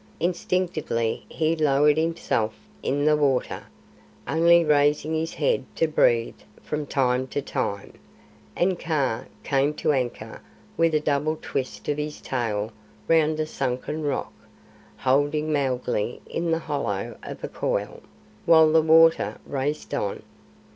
Instinctively he lowered himself in the water, only raising his head to breathe from time to time, and Kaa came to anchor with a double twist of his tail round a sunken rock, holding Mowgli in the hollow of a coil, while the water raced on.